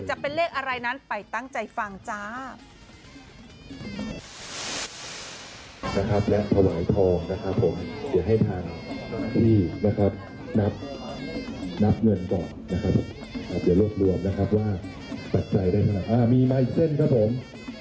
นับเหนื่อยก่อนทำไมล้วนรวมนะครับว่าจะไทยไหมอาหรับมีอีกเส้นครับผม